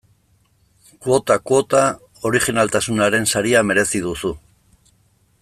Kuotak kuota, orijinaltasunaren saria merezi duzu.